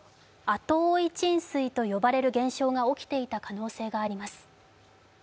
後追い沈水と呼ばれる現象が起きていた可能性があります。